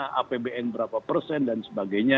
di mana apbn berapa persen dan sebagainya